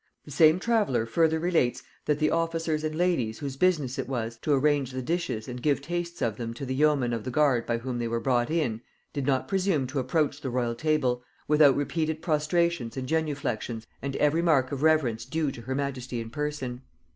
The same traveller further relates, that the officers and ladies whose business it was to arrange the dishes and give tastes of them to the yeomen of the guard by whom they were brought in, did not presume to approach the royal table, without repeated prostrations and genuflexions and every mark of reverence due to her majesty in person.